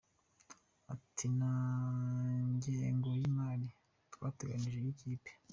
Ati “Nta ngengo y’imari twateganyije y’ikipe.